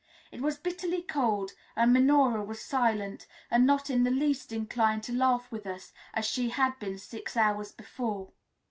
It was bitterly cold, and Minora was silent, and not in the least inclined to laugh with us as she had been six hours before.